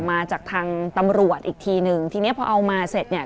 มาจากทางตำรวจอีกทีหนึ่งทีเนี้ยพอเอามาเสร็จเนี่ย